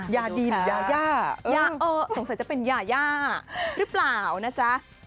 ยาดินยาเออสงสัยจะเป็นยารึเปล่านะจ๊ะ